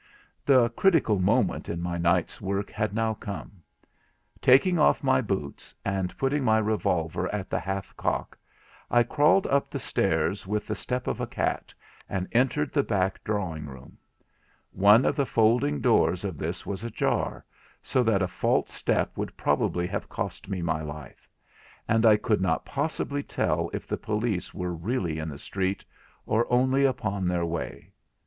The critical moment in my night's work had now come. Taking off my boots, and putting my revolver at the half cock, I crawled up the stairs with the step of a cat, and entered the back drawing room. One of the folding doors of this was ajar, so that a false step would probably have cost me my life—and I could not possibly tell if the police were really in the street, or only upon their way.